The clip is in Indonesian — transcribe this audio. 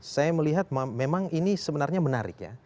saya melihat memang ini sebenarnya menarik ya